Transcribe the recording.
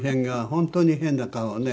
本当に変な顔ね。